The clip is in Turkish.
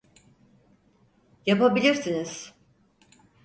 Yapabilirsiniz!